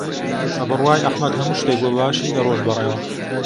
بە بڕوای ئەحمەد هەموو شتێک بەباشی دەڕۆشت بەڕێوە.